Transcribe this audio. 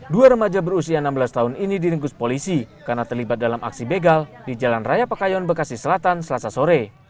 dua remaja berusia enam belas tahun ini diringkus polisi karena terlibat dalam aksi begal di jalan raya pekayon bekasi selatan selasa sore